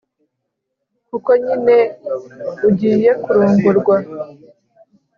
kuko nyine ugiye kurongorwa